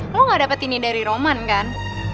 lo ga dapet ini dari roman kan